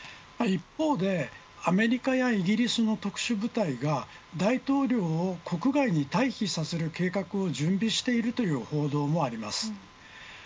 一方でアメリカやイギリスの特殊部隊が大統領を国外に退避させる計画を準備しているという報道もあります。